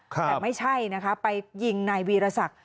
แต่ไม่ใช่นะคะไปยิงนายวีรศักดิ์